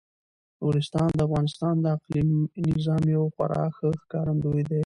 نورستان د افغانستان د اقلیمي نظام یو خورا ښه ښکارندوی دی.